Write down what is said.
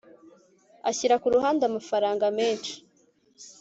ashira ku ruhande amafaranga menshi